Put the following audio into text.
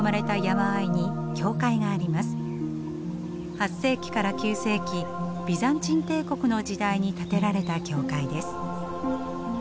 ８世紀から９世紀ビザンチン帝国の時代に建てられた教会です。